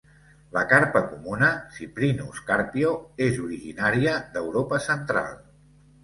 La carpa comuna, "Cyprinus carpio", és originària d'Europa Central.